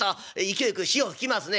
勢いよく潮を吹きますね」。